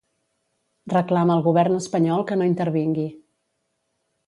Reclama al govern espanyol que no intervingui.